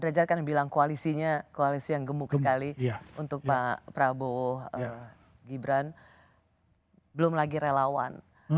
derajat kan bilang koalisinya koalisi yang gemuk sekali untuk pak prabowo gibran belum lagi relawan